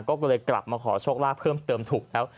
ก็เลยกลับมาขอโชคลาภเพิ่มเติมถูกแล้ว